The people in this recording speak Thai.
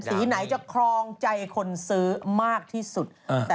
สีไหนจะครองใจคนซื้อมากที่สุด